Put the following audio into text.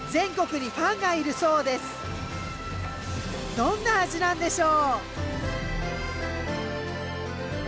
どんな味なんでしょう？